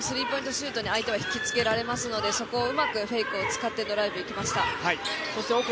シュートに相手は引きつけられますのでそこをうまくフェイクを使ってドライブいきました。